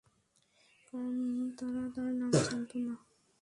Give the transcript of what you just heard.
কারণ তারা তার নাম জানত না।